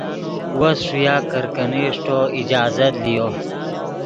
وس ݰویا کرکینے اݰٹو اجازت لیو